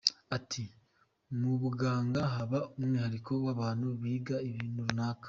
Ati “Mu buganga haba umwihariko w’abantu biga ibintu runaka.